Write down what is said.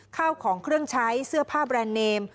ข้าวของเครื่องใช้เสื้อผ้าแบรนด์เนม